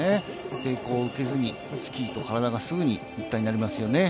抵抗を受けずにスキーと体がすぐに一体になりますよね。